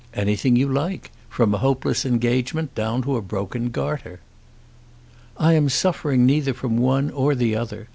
"Anything you like, from a hopeless engagement down to a broken garter." "I am suffering neither from one or the other.